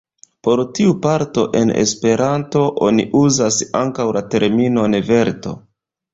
Por tiu parto en Esperanto oni uzas ankaŭ la terminon "verto".